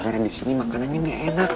karena disini makanannya gak enak